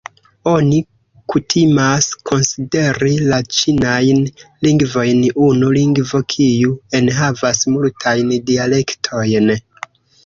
Oni kutimas konsideri la ĉinajn lingvojn unu lingvo, kiu enhavas multajn dialektojn.